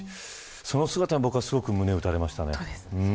その姿に僕は胸を打たれました。